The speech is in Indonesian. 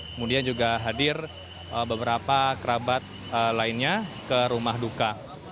kemudian juga hadir beberapa kerabat lainnya ke rumah duka